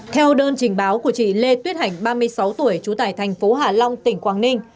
theo đơn trình báo của chị lê tuyết hạnh ba mươi sáu tuổi trú tài thành phố hà long tỉnh quảng ninh